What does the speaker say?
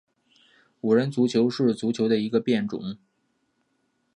五人足球是足球的一个变种。